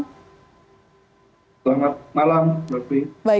selamat malam mbak pri